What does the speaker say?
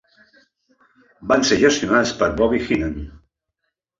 Van ser gestionats per Bobby Heenan.